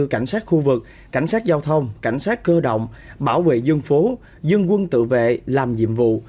cảnh sát khu vực cảnh sát giao thông cảnh sát cơ động bảo vệ dân phố dân quân tự vệ làm nhiệm vụ